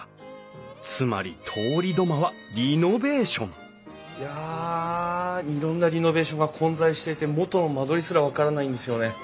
つまり通り土間はリノベーションいやいろんなリノベーションが混在していて元の間取りすら分からないんですよね。